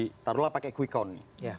kalau pakai gwikon